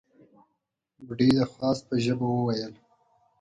بوډۍ د خواست په ژبه وويل: